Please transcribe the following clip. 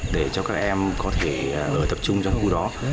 để cho các em có thể ở tập trung trong khu đó